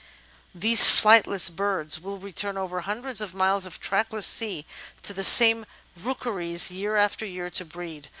These flightless birds will return, "over hundreds of miles of trackless sea," to the same "rookeries" year after year to breed.